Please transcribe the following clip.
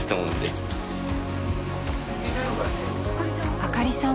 ［あかりさんは？］